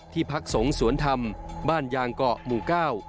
พักสงฆ์สวนธรรมบ้านยางเกาะหมู่เก้า